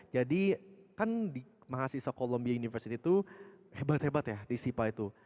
jadi kan mahasiswa columbia university itu hebat hebat ya di sipa itu